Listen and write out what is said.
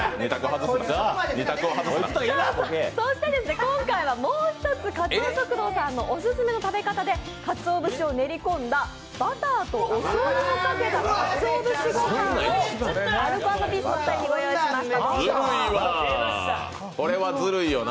今回はもう一つ、かつお食堂さんのオススメの食べ方でかつお節を練り込んだバターと醤油をかけたかつお節ご飯をアルコ＆ピースのお二人にご用意しました。